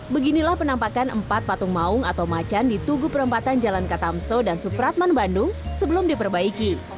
beginilah penampakan empat patung maung atau macan di tugu perempatan jalan katamso dan supratman bandung sebelum diperbaiki